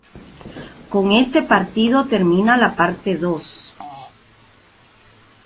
Con este partido termina la Parte Dos.